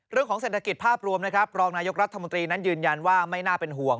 เรื่องของเศรษฐกิจภาพรวมนะครับรองนายกรัฐมนตรีนั้นยืนยันว่าไม่น่าเป็นห่วง